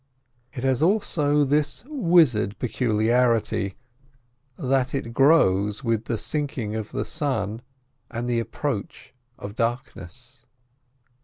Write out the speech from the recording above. It has also this wizard peculiarity, that it grows with the sinking of the sun and the approach of darkness.